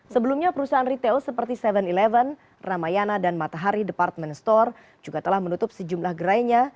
sebelumnya perusahaan retail seperti tujuh sebelas ramayana dan matahari department store juga telah menutup sejumlah gerainya